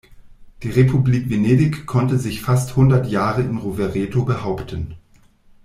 Die Republik Venedig konnte sich fast hundert Jahre in Rovereto behaupten.